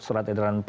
surat edaran empat